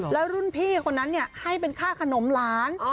แล้วรุ่นพี่คนนั้นให้เป็นค่าขนมหลาน